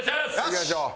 いきましょう。